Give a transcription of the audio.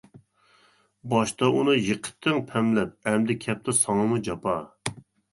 باشتا ئۇنى يىقىتتىڭ پەملەپ، ئەمدى كەپتۇ ساڭىمۇ جاپا.